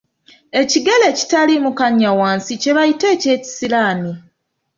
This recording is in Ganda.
Ekigere ekitaliimu kannya wansi kye bayita ekyekisiraani.